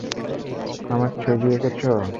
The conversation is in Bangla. আমার ছবি এঁকেছ?